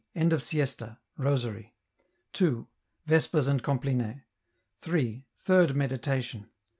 End of Siesta. Rosary. 2. Vespers and Compline. 3. Third Meditation.